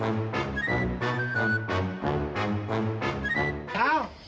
อ้าว